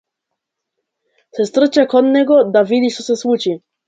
Се стрча кон него да види што се случи.